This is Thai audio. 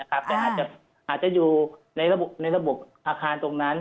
แต่อาจจะอยู่ในระบบอาคารตรงนั้น